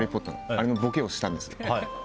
あのボケをしたんです。